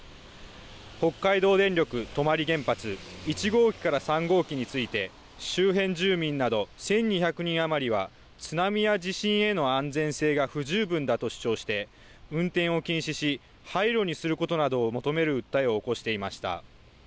北海道電力泊原発１号機から３号機について周辺住民など１２００人余りは津波や地震への安全性が不十分だと主張して運転を禁止し廃炉にすることなどを求める訴えを起こしていました。